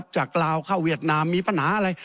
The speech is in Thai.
จากลาวเข้าเวียดนามมีปัญหาอะไร